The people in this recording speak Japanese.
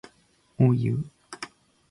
おいう